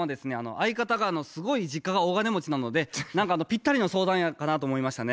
相方がすごい実家が大金持ちなので何かぴったりの相談やったなと思いましたね。